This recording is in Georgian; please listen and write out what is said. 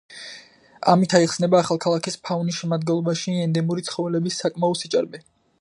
ამით აიხსნება ახალქალაქის ფაუნის შემადგენლობაში ენდემური ცხოველების საკმაო სიჭარბე.